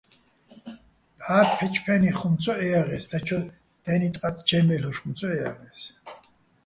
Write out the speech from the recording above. ბჵა ფე́ჩფე́ნიხ ხუმ ცო ჺეჲაღე́ს, დაჩო დე́ნი ტყაწ ჩაჲ მე́ლ'ოშ ხუმ ცო ჺეჲაღე́ს.